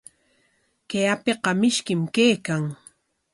Kay apiqa mishkim kaykan.